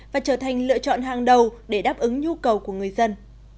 và trở thành lựa chọn hàng đầu để đáp ứng nhu cầu của người dân